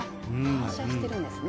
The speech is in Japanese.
反射してるんですね。